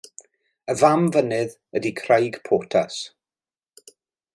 Y fam fynydd ydy Craig Portas.